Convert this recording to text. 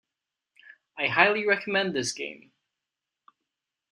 I highly recommend this game.